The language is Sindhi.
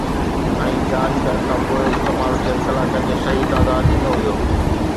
۽ چارج ڪرڻ کان پوءِ استعمال ٿيل ڪلاڪن جو صحيح تعداد ڏنو ويو